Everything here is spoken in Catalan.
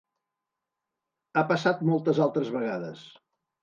Ha passat moltes altres vegades.